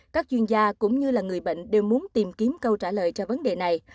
các chuyên gia cũng như là người bệnh đều muốn tìm kiếm câu trả lời cho vấn đề này